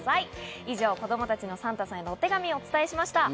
以上、子供たちのサンタさんへのお手紙をお伝えしました。